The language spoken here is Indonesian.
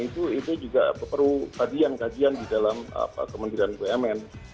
itu juga perlu kajian kajian di dalam kementerian bumn